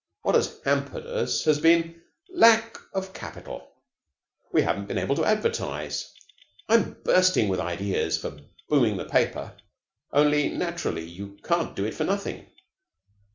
What has hampered us has been lack of capital. We haven't been able to advertise. I'm bursting with ideas for booming the paper, only naturally you can't do it for nothing.